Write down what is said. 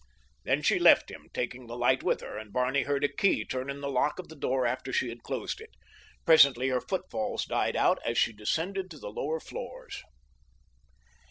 Then she left him, taking the light with her, and Barney heard a key turn in the lock of the door after she had closed it. Presently her footfalls died out as she descended to the lower floors.